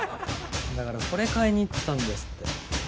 だからこれ買いに行ってたんですって。